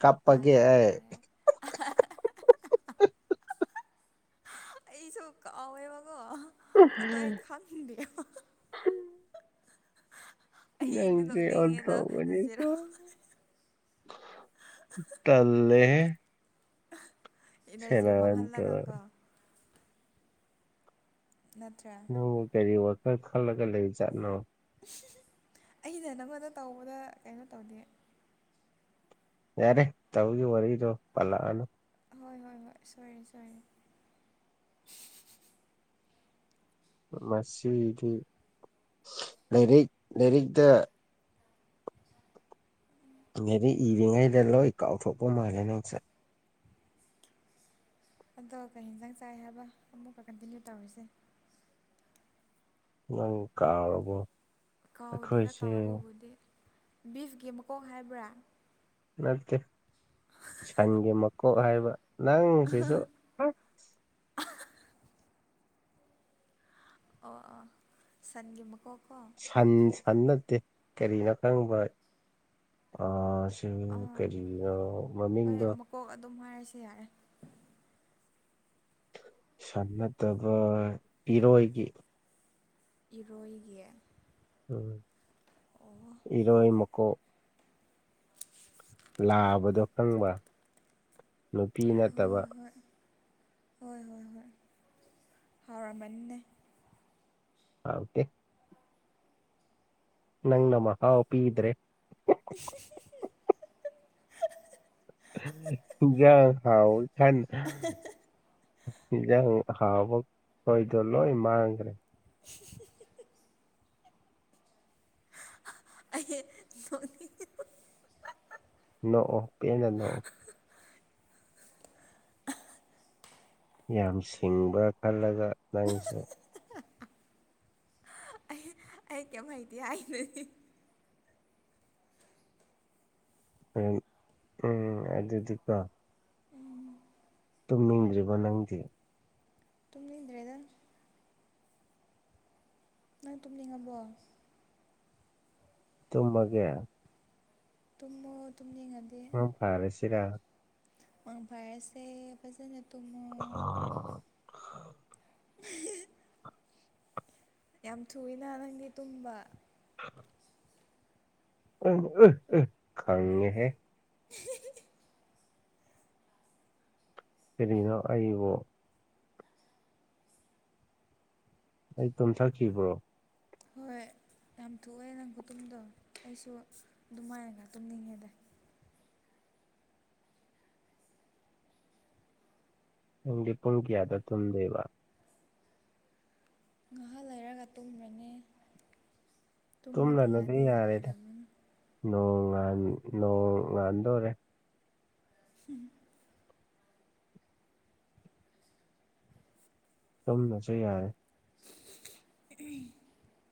ꯀꯄꯒꯦ ꯇꯥꯔꯦ ꯇꯥꯔꯦ ꯑꯩꯁꯨ ꯑꯋꯥꯕꯒꯣ ꯑꯗꯣ ꯑꯩ ꯈꯥꯟꯗꯦ ꯑꯩꯗꯤ ꯅꯪꯆ ꯑꯣꯊ ꯅꯣꯛꯅꯤꯡꯉꯦꯗ ꯖꯦꯔꯣ ꯑꯃꯅꯤꯅꯤꯀ ꯇꯜꯂꯦ ꯏꯅꯔꯖꯤ ꯇꯨꯔꯟ ꯃꯥꯡꯍꯜꯂꯒꯀꯣ ꯅꯠꯇ꯭ꯔꯥ ꯅꯪ ꯀꯔꯤ ꯋꯥꯈꯜ ꯈꯜꯂꯒ ꯂꯩ ꯆꯠꯅꯣ ꯑꯩꯅ ꯅꯪꯉꯣꯟꯗ ꯇꯧꯕꯗ ꯀꯩꯅꯣ ꯇꯧꯗꯦ ꯌꯥꯔꯦ ꯇꯧꯒ ꯋꯥꯔꯤꯔꯗ ꯄꯂꯅ ꯍꯣꯏ ꯍꯣꯏ ꯍꯣꯏ ꯁꯔ ꯁꯔ ꯃꯁꯤꯗꯤ ꯂꯥꯏꯔꯤꯛ ꯂꯥꯏꯔꯤꯛꯇ ꯗꯤ ꯏꯔꯤꯉꯩꯗ ꯂꯣꯏ ꯀꯥꯎꯊꯣꯛꯄ ꯃꯥꯜꯂꯦ ꯅꯪꯁꯦ ꯑꯗꯣ ꯀꯩ ꯌꯦꯟꯖꯥꯡ ꯆꯥꯏ ꯍꯥꯏꯕ ꯑꯃꯨꯛꯀ ꯀꯟꯇꯤꯅ꯭ꯌꯨ ꯇꯧꯔꯤꯁꯦ ꯅꯪ ꯀꯥꯔꯕꯣ ꯀꯥꯎꯗꯦꯗ ꯇꯥꯎꯕꯕꯨꯗꯤ ꯕꯤꯐꯀꯤ ꯃꯈꯀꯣꯡ ꯍꯥꯏꯕ꯭ꯔꯥ ꯅꯠꯇꯦ ꯁꯟꯒꯤ ꯃꯀꯣꯛ ꯍꯥꯏꯕ ꯅꯪ ꯆꯁꯨ ꯑꯣ ꯑ ꯁꯟꯒꯤ ꯃꯀꯣꯛ ꯁꯟ ꯁꯟ ꯅꯠꯇꯦ ꯀꯔꯤꯅꯣ ꯈꯪꯕ ꯑ ꯑ ꯑꯥ ꯀꯔꯤꯅ ꯍꯣꯏ ꯃꯃꯤꯡꯗ ꯃꯀꯣꯛ ꯑꯗꯨꯝ ꯍꯥꯏꯔꯁꯨ ꯌꯥꯔꯦ ꯁꯟ ꯅꯠꯇꯕ ꯄꯤꯔꯣꯏꯒꯤ ꯏꯔꯣꯏꯒꯤ ꯑꯣ ꯎ ꯏꯔꯣꯏ ꯃꯀꯣꯛ ꯂꯥꯕꯗꯣ ꯈꯪꯕ ꯅꯨꯄꯤ ꯍꯣꯏ ꯅꯠꯇꯕ ꯍꯣꯏ ꯍꯣꯏ ꯍꯣꯏ ꯍꯣꯏ ꯍꯥꯎꯔꯝꯃꯅꯤꯅꯦ ꯑ ꯑꯣꯀꯦ ꯅꯪ ꯅ ꯃ ꯍꯥꯥꯎ ꯑꯣꯄꯤꯗ꯭ꯔꯦ [inaudible] ꯁꯤꯡꯒ ꯍꯥꯎ ꯈ ꯏꯖ ꯍꯕ ꯀꯣꯏꯗꯂꯣ ꯏꯃꯥꯈ꯭ꯔꯦ [inaudible] ꯑꯩ ꯅꯣꯛꯅꯤꯡꯑꯦꯀꯣ ꯅꯣꯛꯑꯣ ꯄꯦꯟꯅ ꯅꯣꯛꯑꯣ ꯌꯥꯝ ꯁꯤꯡꯕ꯭ꯔ ꯈꯜꯂꯒ ꯅꯪꯁꯦ ꯑꯩ ꯑꯩ ꯀꯦꯝ ꯍꯩꯇꯦ ꯍꯥꯏꯗꯨꯗꯤ ꯑ ꯎꯝ ꯑꯗꯨꯗꯤꯀꯣ ꯎꯝ ꯇꯨꯝꯅꯤꯡꯗ꯭ꯔꯤꯕꯣ ꯅꯪꯗꯤ ꯇꯨꯝꯅꯤꯡꯗ꯭ꯔꯦꯗ ꯅꯪ ꯇꯨꯝꯅꯤꯡꯉꯕꯣ ꯇꯨꯝꯃꯒꯦ ꯇꯨꯝꯃꯣ ꯇꯨꯝꯅꯤꯡꯉꯗꯤ ꯃꯪ ꯐꯔꯁꯤꯔ ꯃꯪ ꯐꯔꯁꯦ ꯐꯖꯅ ꯇꯨꯝꯃꯣ [unintelligible] [unintelligible] ꯌꯥꯝ ꯊꯨꯏꯅ ꯅꯪꯗꯤ ꯇꯨꯝꯕ ꯈꯪꯉꯤ ꯍꯦ [unintelligible] ꯀꯔꯤꯅꯣ ꯑꯩꯕꯣ ꯑꯩ ꯇꯨꯝꯊꯈꯤꯕ꯭ꯔꯣ ꯍꯣꯏ ꯌꯥꯝ ꯊꯨꯏꯑꯦ ꯅꯪ ꯈꯨꯨꯇꯨꯝꯗꯣ ꯑꯩꯁꯨ ꯑꯗꯨꯃꯥꯏꯅ ꯇꯨꯝꯅꯤꯡꯉꯦꯗ ꯅꯪꯗꯤ ꯄꯨꯡ ꯀꯌꯥꯗ ꯇꯨꯝꯗꯣꯏꯕ ꯉꯥꯏꯍꯥꯛ ꯂꯩꯔꯒ ꯇꯨꯝꯈꯔꯅꯤ ꯇꯨꯝꯂꯅꯨꯗ ꯌꯥꯔꯦꯗ ꯅꯣꯡ ꯅꯣꯡ ꯉꯥꯟ ꯗꯧꯔꯦ ꯎꯝ ꯇꯨꯝꯃꯁꯨ ꯌꯥꯔꯦ [unintelligible]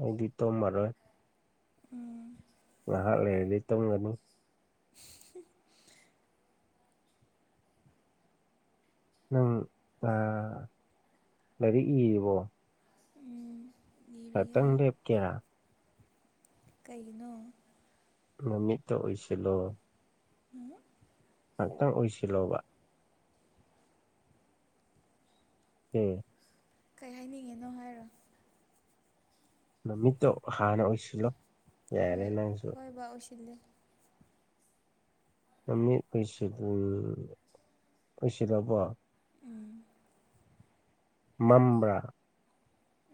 ꯑꯩꯗꯤ ꯇꯨꯝꯃꯔꯣꯏ ꯎꯝ ꯉꯍꯥꯛ ꯂꯩꯔꯗꯤ ꯇꯨꯝꯒꯅꯤ ꯅꯪ ꯂꯥꯏꯔꯤꯛ ꯏꯔꯤꯕꯣ ꯎꯝ ꯂꯤꯔꯤꯌꯦ ꯉꯥꯇꯪ ꯂꯦꯞꯀꯦ ꯀꯩꯅꯣ ꯃꯃꯤꯠꯇꯣ ꯑꯣꯏꯁꯤꯜꯂꯣ ꯎꯝ ꯉꯍꯥꯛꯇꯪ ꯑꯨꯏꯁꯤꯜꯂꯣꯕ ꯎꯝ ꯀꯩ ꯍꯥꯏꯅꯤꯡꯉꯤꯅꯣ ꯍꯥꯏꯔꯣ ꯃꯃꯤꯠꯇꯣ ꯍꯥꯟꯅ ꯑꯣꯏꯁꯤꯂꯣ ꯍꯣꯏ ꯍꯣꯏꯕ ꯑꯨꯏꯁꯜꯂꯦ ꯅꯃꯤꯠ ꯑꯨꯏꯁꯤꯟ ꯑꯨꯏꯁꯜꯂꯕꯣ ꯎꯝ ꯃꯝꯕ꯭ꯔ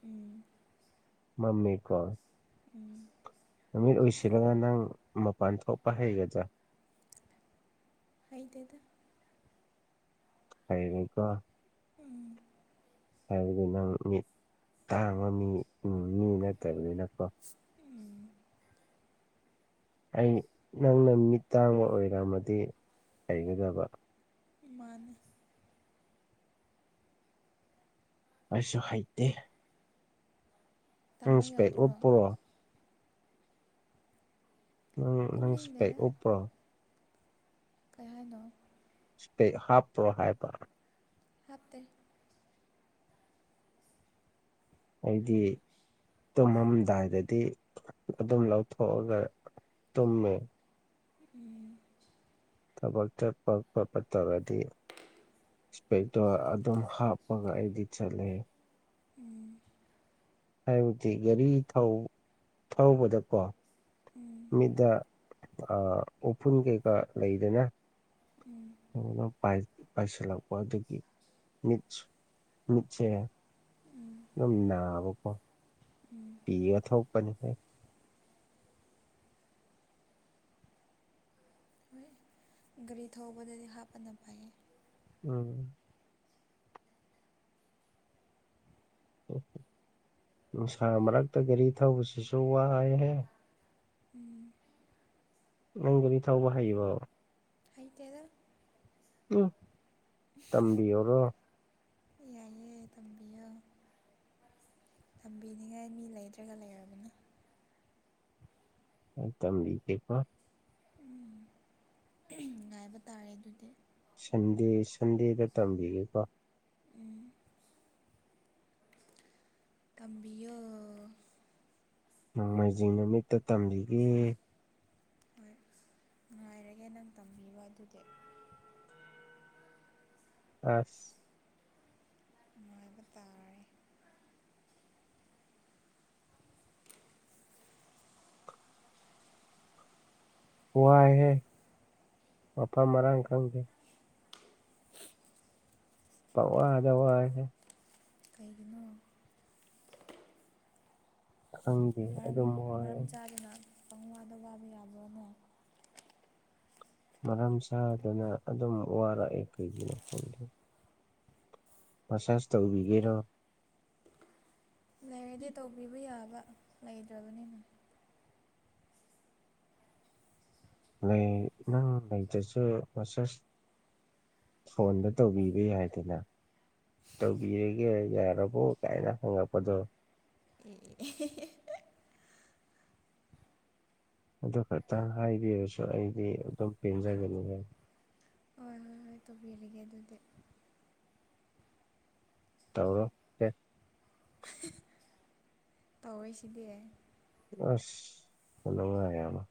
ꯎꯝ ꯃꯝꯃꯤ ꯀꯣ ꯎꯝ ꯅꯃꯤꯠ ꯎꯁꯤꯜꯂꯒ ꯅꯪ ꯃꯄꯥꯟ ꯊꯣꯛꯄ ꯍꯩꯒꯗ꯭ꯔꯥ ꯍꯩꯇꯦꯗ ꯍꯩꯅꯤꯀꯣ ꯎꯝ ꯍꯥꯏꯕꯗꯤ ꯅꯪ ꯃꯤꯠ ꯇꯥꯡꯕ ꯃꯤ ꯅꯤ ꯅꯠꯇꯕꯅꯤꯅꯀꯣ ꯎꯝ ꯑꯩ ꯅꯪꯅ ꯃꯤꯠ ꯇꯥꯡꯕ ꯑꯣꯏꯔꯝꯃꯗꯤ ꯂꯩꯒꯗꯕ ꯃꯥꯅꯤ ꯄꯁꯨꯣ ꯍꯥꯏꯍꯤꯗꯦ ꯇꯝꯃꯨ ꯏꯁꯄꯦꯛ ꯌꯥꯗ꯭ꯔꯣ ꯎꯄꯔꯣ ꯎꯪ ꯅꯪꯁꯤꯄ ꯀꯨꯝꯅꯤꯡꯗꯦꯗ ꯑꯣꯄ꯭ꯔꯣ ꯀꯔꯤꯥꯏꯅꯣ ꯍꯥꯞꯄ꯭ꯔꯣ ꯍꯥꯏꯕ ꯍꯥꯞꯐꯦ ꯑꯩꯗꯤ ꯇꯨꯝꯃꯝꯗꯥꯏꯗꯗꯤ ꯑꯗꯨꯝ ꯂꯧꯊꯣꯛꯑꯒ ꯇꯨꯝꯃꯦ ꯎꯝ ꯇꯕꯣꯛꯛꯇ ꯄ ꯄꯄ ꯇꯔꯗꯤꯦ ꯏꯁꯄꯤꯦꯛꯇꯔ ꯑꯗꯨꯝ ꯍꯥꯞꯄꯒ ꯑꯩꯗꯤ ꯆꯠꯂꯦ ꯎꯝ ꯍꯥꯏꯕꯗꯤ ꯒꯥꯔꯤ ꯊ ꯊꯧꯕꯗꯀꯣ ꯎꯝ ꯃꯤꯗ ꯑ ꯎꯐꯨꯟ ꯀꯩꯀꯥ ꯂꯩꯗꯅ ꯎꯝ ꯑꯣ ꯄꯥꯏꯁ ꯄꯥꯏꯁꯂꯄ ꯑ ꯑꯗꯨꯗꯒꯤ ꯃꯤ ꯃꯤꯁꯦ ꯎꯝ ꯑꯗꯨꯝ ꯅꯥꯕꯀꯣ ꯎꯝ ꯄꯤꯒ ꯊꯣꯛꯄꯅꯤ ꯍꯣꯏ ꯍꯣꯏ ꯒꯥꯔꯤ ꯊꯧꯕꯗꯗꯤ ꯍꯥꯞꯄꯅ ꯄꯥꯏꯌꯦ ꯎꯝ ꯅꯨꯡꯁꯥ ꯃꯔꯛꯇ ꯒꯥꯔꯤ ꯊꯧꯕꯁꯤꯁꯨ ꯋꯥꯏꯍꯦ ꯎꯝ ꯅꯪꯕꯨꯗꯤ ꯊꯧꯕ ꯍꯩꯕꯣ ꯑꯥꯏꯇꯩꯗꯣ ꯎꯝ ꯇꯝꯕꯣꯔꯕ ꯌꯥꯏꯑꯌꯦ ꯇꯝꯕꯤꯨ ꯇꯝꯕꯤꯅꯤꯉꯥꯏ ꯃꯤ ꯂꯩꯗ꯭ꯔꯒ ꯂꯩꯔꯕꯅ ꯗꯝꯝ ꯄꯦꯄ ꯎꯝ ꯉꯥꯏꯕ ꯇꯥꯔꯦ ꯑꯗꯨꯗꯤ ꯁꯟꯗꯦ ꯁꯟꯗꯦꯗ ꯇꯝꯕꯤꯌꯦꯀꯣ ꯎꯝ ꯇꯕꯤꯣ ꯅꯣꯡꯃꯩꯖꯤꯡ ꯅꯨꯃꯤꯠꯇ ꯇꯝꯂꯤꯒꯦ ꯍꯣꯏ ꯅꯨꯡꯉꯥꯏꯔꯒꯦ ꯅꯪ ꯇꯝꯕꯤꯕ ꯑꯗꯨꯗꯤ ꯑꯁ ꯃꯥꯏꯕꯇꯥꯔꯦ ꯋꯥꯑꯦ ꯄꯄꯥꯥ ꯃꯔꯔꯥꯡ ꯀꯗꯦ ꯄꯋꯥꯗꯋꯥꯁꯦ ꯀꯩꯒꯤꯅꯣ ꯍꯪ ꯑꯗꯨꯗꯃ ꯀꯧꯋꯥꯏ ꯧꯋꯥꯕꯤ ꯌꯥꯕꯣꯏꯅ ꯃꯔꯝ ꯆꯥꯗꯨꯅ ꯑꯗꯨꯝ ꯋꯥꯔꯛꯑꯦ ꯀꯩꯒꯤꯅꯣ ꯈꯐꯝꯗꯣ ꯃꯁꯥꯁ ꯇꯧꯕꯤꯒꯦꯔꯣ ꯂꯩꯔꯗꯤ ꯇꯧꯕꯤꯕ ꯌꯥꯕ ꯂꯩꯇ꯭ꯔꯕꯅꯤꯅ ꯂꯩ ꯅꯪ ꯂꯩꯗꯁꯨ ꯃꯁꯦꯁ ꯐꯣꯟꯗ ꯇꯧꯕꯤꯕꯦ ꯍꯥꯏꯗꯅ ꯇꯧꯕꯤꯔꯒꯦ ꯌꯥꯔꯕꯣ ꯀꯥꯏꯅ ꯍꯪꯉꯛꯄꯗꯣ ꯑꯦ ꯑꯗꯨ ꯈꯛꯇꯪ ꯍꯥꯏꯕꯤꯔꯁꯨ ꯑꯩꯗꯤ ꯑꯗꯨꯝ ꯄꯦꯟꯖꯒꯅꯤ ꯍꯥꯏ ꯀꯃꯥꯏꯅ ꯇꯧꯕꯤꯔꯒꯦ ꯑꯗꯨꯗꯤ ꯇꯧ ꯇꯧꯋꯦ ꯁꯤꯗꯤ ꯑꯁ ꯐꯉ ꯀꯔꯅ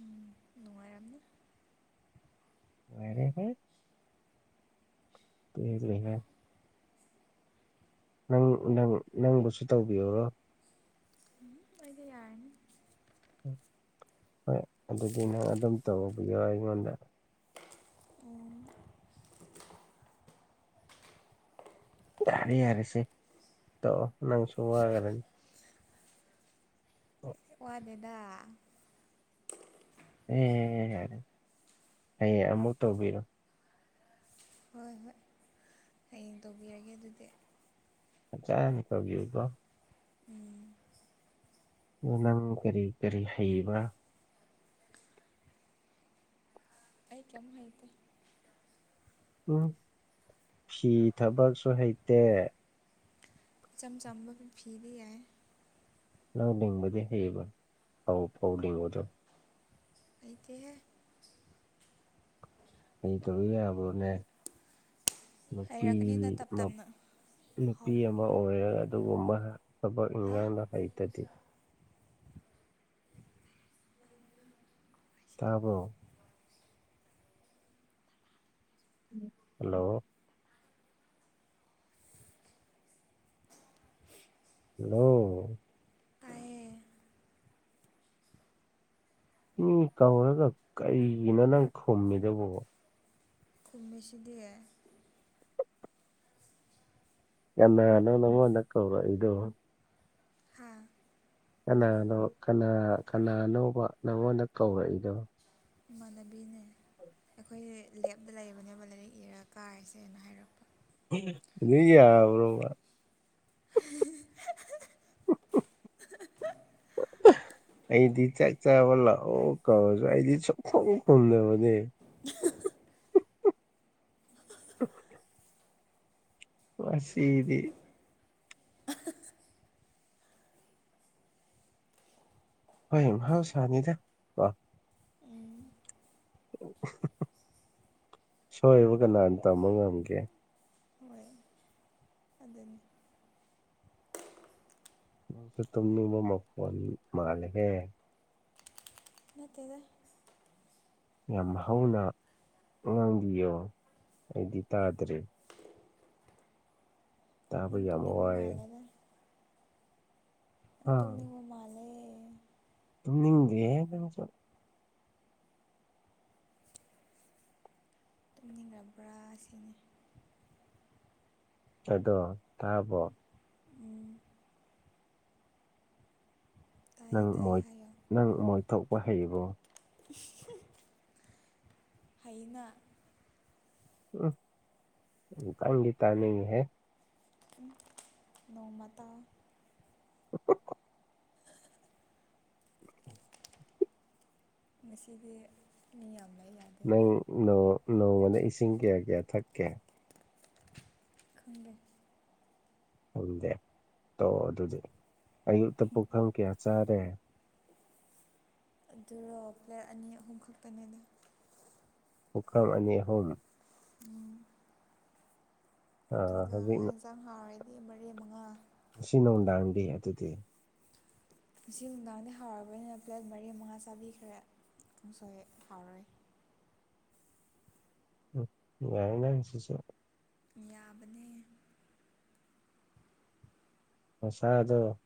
ꯎꯝ ꯅꯨꯡꯉꯥꯏꯔꯝꯅ ꯋꯥꯔꯦ ꯍ ꯀ ꯂꯩ [unintelligible] ꯅꯪ ꯅꯪ ꯅꯪꯕꯨꯁꯨ ꯇꯧꯕꯤꯌꯔꯣ ꯎꯝ ꯑꯩꯗꯤ ꯌꯥꯔꯅꯤ ꯍꯣꯏ ꯑꯗꯨꯗꯤ ꯅꯪ ꯑꯗꯨꯝ ꯇꯧꯕꯤꯌꯣ ꯑꯩꯉꯣꯟꯗ ꯎꯝ ꯇꯔꯦ ꯌꯥꯔꯁꯦ ꯇꯣ ꯅꯪ ꯁꯣꯛꯒꯅꯤ ꯋꯥꯅꯤꯗ ꯑꯦ ꯌꯥ ꯍꯌꯦꯡ ꯑꯃꯨꯛ ꯇꯧꯕꯤꯔꯣ ꯍꯣꯏ ꯍꯣꯏ ꯍꯌꯦꯡ ꯇꯧꯕꯤꯔꯒꯦ ꯑꯗꯨꯗꯤ ꯑꯆꯥꯅꯤꯊꯧꯧꯒꯌꯨꯕꯣ [unintelligible] ꯎꯝ ꯑ ꯅꯪ ꯀꯔꯤ ꯀꯔꯤ ꯍꯩꯕ ꯑꯩ ꯀꯃꯩꯗꯤ ꯎꯝ ꯐꯤ ꯊꯕꯛꯁꯨ ꯍꯩꯇꯦ ꯆꯝꯆꯝꯝꯕ ꯐꯤꯔ ꯌꯥ ꯅꯪ ꯂꯤꯡꯕꯗꯤ ꯍꯩꯕ ꯐꯥꯎ ꯐꯥꯎ ꯂꯤꯡꯕꯗꯣ ꯑꯗꯤꯍ ꯑꯩ ꯇꯧꯋ ꯌꯥꯕꯣꯅꯦ ꯅꯨꯄꯤ ꯍꯩꯔꯛꯀꯅꯤꯗ ꯇꯞ ꯇꯞꯅ ꯅꯨꯄꯤ ꯍꯧ ꯑꯃ ꯑꯣꯏꯔꯒ ꯑꯗꯨꯒꯨꯝꯕ ꯑ ꯍꯥ ꯏꯪꯂꯗ ꯀꯩꯇꯇ ꯇꯥꯕꯣ ꯍꯜꯂꯣ ꯍꯂꯣ ꯇꯥꯏꯌꯦ ꯏ ꯀꯧꯔꯒ ꯀꯩꯅ ꯅꯪ ꯈꯨꯝꯃꯤꯗꯨꯕꯣ ꯀꯨꯝꯁꯤꯗꯤ ꯌꯥꯝꯅꯣ ꯅꯅ ꯀꯧ꯭ꯔ ꯏꯗꯣ ꯍꯥꯥ ꯀꯅꯥꯅꯣ ꯀꯅꯥ ꯀꯅꯥꯅꯧꯕ ꯅꯪꯉꯣꯟꯗ ꯀꯧꯔꯛꯏꯗꯣ ꯃꯅꯕꯤꯅꯦ ꯑꯩꯈꯣꯏ ꯂꯦꯞꯇ ꯂꯩꯕꯅꯦꯕ ꯂꯥꯏꯔꯤꯛ ꯏꯔ ꯀꯥꯏꯁꯦꯅ ꯍꯥꯏꯔꯛꯄ ꯅꯤꯡ ꯌꯥꯕꯔꯣꯕ [unintelligible] ꯑꯩꯗꯤ ꯆꯥꯛ ꯆꯥꯕ ꯂꯥꯎ ꯀꯁꯨ ꯑꯩꯗꯤ ꯁ ꯈꯗꯕꯅꯦ [unintelligible] [unintelligible] ꯍ ꯁꯤꯗꯤ ꯍꯣꯏ ꯃꯍꯥꯎꯁꯅꯤꯗ ꯀꯣ ꯎꯝ ꯁꯣꯏꯕ ꯀꯅꯥꯅ ꯇꯝꯕ ꯉꯝꯒꯦ ꯍꯣꯏ ꯑꯗꯨꯅꯤ ꯁꯨ ꯇꯅꯕꯨ ꯃ ꯃꯥꯂ ꯍꯦ ꯅꯠꯇꯗ ꯌꯥꯝ ꯍꯧꯅ ꯉꯥꯡꯕꯤꯌꯣ ꯑꯩꯗꯤ ꯇꯥꯗ꯭ꯔꯦ ꯇꯥꯕ ꯅꯪ ꯌꯥꯝꯕ ꯇꯨꯝꯅꯤꯡꯕ ꯋꯥꯑꯦ ꯇꯨꯝꯅꯤꯕꯨ ꯃꯥꯂꯦ ꯦ ꯀ [unintelligible] [inaudible] ꯑꯗꯣ ꯇꯥꯕꯣ ꯎꯝ ꯇꯥꯏ ꯅꯪ ꯇꯥꯏ ꯃꯣꯏ ꯍꯥꯏꯌꯣ ꯅꯪ ꯃꯣꯏ ꯊꯣꯛꯄ ꯍꯩꯕꯣ ꯀ ꯑꯩꯅ ꯎꯝ ꯀꯪꯒꯤꯇꯥꯅꯤ ꯍꯥꯏ ꯅꯧꯃꯇꯥ ꯃꯁꯤꯁꯤꯗꯤ ꯃꯤ ꯌꯥꯝ ꯂꯩ ꯌꯥꯗꯦ ꯅꯪ ꯅꯣꯡꯃꯅ ꯏꯁꯤꯡ ꯀꯌꯥ ꯀꯌꯥ ꯊꯛꯀꯦ ꯈꯟꯗꯦ ꯈꯪꯗꯦ ꯇꯣ ꯑꯗꯨꯗꯤ ꯑꯌꯨꯛꯇ ꯄꯨꯡꯈꯐꯝ ꯀꯌꯥ ꯆꯥꯔꯦ ꯑꯗꯨꯒꯣ ꯄ꯭ꯂꯦ ꯑꯅꯤ ꯑꯍꯨꯝ ꯈꯛꯇꯅꯦꯗ ꯄꯨꯈ꯭ꯔꯝ ꯑꯅꯤ ꯑꯍꯨꯝ ꯎꯝ ꯑ ꯑꯗꯨꯒ ꯍꯧꯖꯤꯛ ꯌꯦꯟꯖꯥꯡ ꯍꯥꯎꯔꯗꯤ ꯃꯔꯤ ꯃꯉꯥ ꯁꯤ ꯅꯧꯟꯗꯥꯥꯟꯗꯤ ꯑꯗꯨꯗꯤ ꯉꯁꯤ ꯅꯨꯡꯗꯥꯡꯗꯤ ꯍꯥꯎꯔꯕꯅꯤꯅ ꯄ꯭ꯂꯦꯠ ꯃꯔꯤ ꯃꯉꯥ ꯆꯥꯕꯤꯈ꯭ꯔꯦ ꯑꯃꯁ ꯐꯥꯎꯔꯦ [unintelligible] ꯌꯥꯕꯅꯦ ꯃꯁꯥꯗꯣ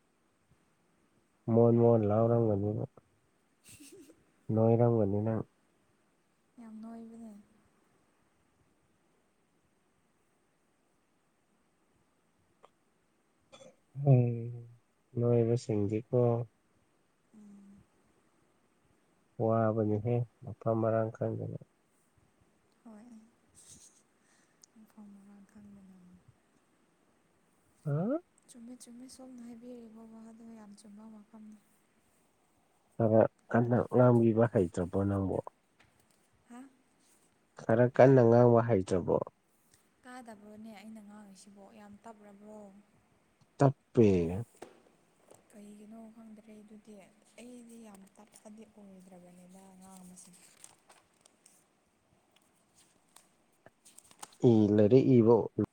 ꯃꯣꯣꯟ ꯃꯣꯣꯟ ꯂꯥꯎꯔꯒ [inaudible] ꯃꯣꯏꯔꯪꯕꯅ ꯌꯥꯝꯅꯣꯏꯕꯅꯦ ꯎꯝ ꯅꯣꯏꯕꯁꯤꯡꯗꯤꯀꯣ ꯎꯝ ꯋꯥꯕꯅꯤꯍꯦ ꯃꯐꯝ ꯃꯔꯥꯡ ꯈꯪꯗꯅ ꯍꯣꯏꯐ ꯃꯔꯥꯡꯈ ꯃ ꯑ ꯆꯨꯝꯃꯦ ꯁꯣꯝꯅ ꯍꯥꯏꯕꯤꯔꯤꯕꯔꯤꯕ ꯋꯥꯗꯣ ꯌꯥꯝ ꯆꯨꯝꯕ ꯋꯥꯐꯝꯅꯤ ꯈꯔ ꯀꯟꯗ ꯉꯝꯕꯤꯕ ꯍꯩꯇ꯭ꯔꯕꯣ ꯅꯪꯕꯨ ꯍꯥ ꯈꯔ ꯀꯟꯅ ꯉꯥꯡꯕ ꯍꯩꯖꯕꯣ ꯀꯥꯗꯕ꯭ꯔꯣꯅꯦ ꯑꯩꯅ ꯉꯥꯡꯉꯤꯁꯤꯕꯣ ꯌꯥꯝ ꯇꯞꯔꯕ꯭ꯔꯣ ꯇꯞꯄꯦ ꯀꯩꯒꯤꯅꯣ ꯈꯪꯗ꯭ꯔꯦ ꯑꯗꯨꯗꯤ ꯑꯩꯗꯤ ꯌꯥꯝ ꯇꯞꯄꯗꯤ ꯑꯣꯏꯗ꯭ꯔꯕꯅꯤꯅ ꯑꯉꯥꯥꯡ ꯃꯁꯤꯡꯁꯤꯡ [inaudible] ꯏ ꯂꯩꯔꯦ ꯏꯕ